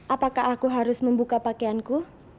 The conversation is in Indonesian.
apakah aku harus membuka pakaianku